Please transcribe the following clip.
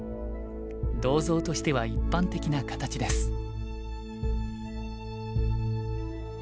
銅像としては一般的な形です。